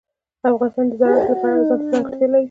افغانستان د زراعت له پلوه ځانته ځانګړتیا لري.